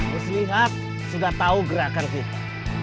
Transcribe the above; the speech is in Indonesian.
harus lihat sudah tahu gerakan kita